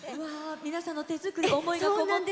皆さんの手作りの思いのこもった。